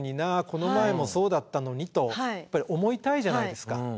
この前もそうだったのにとやっぱり思いたいじゃないですか。